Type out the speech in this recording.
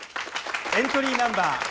エントリーナンバー